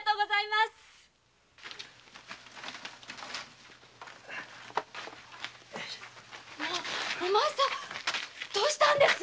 まぁお前さんどうしたんです？